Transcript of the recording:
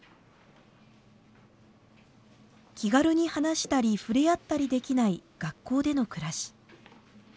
気軽に話したり触れ合ったりできない学校での暮らし。